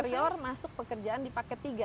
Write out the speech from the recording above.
serior masuk pekerjaan di paket tiga